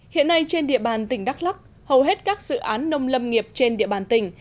hiện nay trên địa bàn tỉnh đắk lắc hầu hết các dự án nông lâm nghiệp trên địa bàn tỉnh